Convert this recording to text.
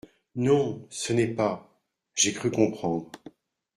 Non… ce n’est pas… j’ai cru comprendre…